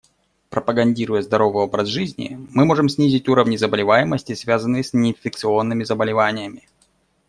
Пропагандируя здоровый образ жизни, мы можем снизить уровни заболеваемости, связанные с неинфекционными заболеваниями.